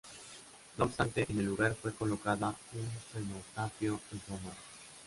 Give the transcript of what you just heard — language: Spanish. No obstante, en el lugar fue colocado un cenotafio en su honor.